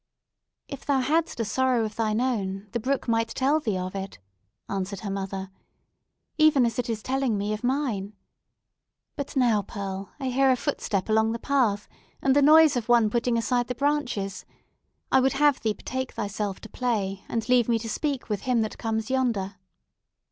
"If thou hadst a sorrow of thine own, the brook might tell thee of it," answered her mother, "even as it is telling me of mine. But now, Pearl, I hear a footstep along the path, and the noise of one putting aside the branches. I would have thee betake thyself to play, and leave me to speak with him that comes yonder."